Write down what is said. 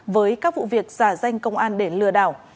với các vụ việc giả danh công an để lừa đảo